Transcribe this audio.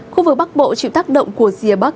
khu vực bắc bộ chịu tác động của rìa bắc